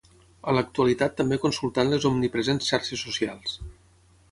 A l'actualitat també consultant les omnipresents xarxes socials